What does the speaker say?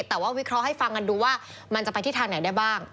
แต่ว่าวิเคราะห์ให้ฟังกันดูว่ามันจะไปที่ทางไหนได้บ้าง